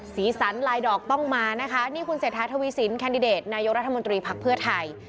สีสันลายดอกต้องมานะคะนี่คุณเศรษฐาทวีสินแคนดิเดตนายกรัฐมนตรีภักดิ์เพื่อไทย